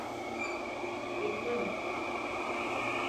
Bekleme.